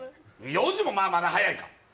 ４時もまあ、まだ早い。